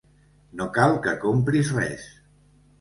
No cal que compris res.